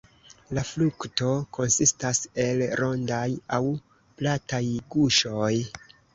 La frukto konsistas el rondaj aŭ plataj guŝoj.